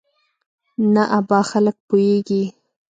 نه ابا خلک پوېېږي.